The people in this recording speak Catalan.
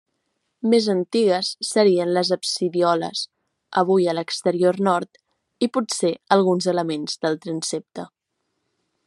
Més antigues serien les absidioles, avui a l'exterior nord, i potser alguns elements del transsepte.